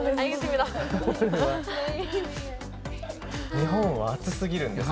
日本は暑すぎるんです。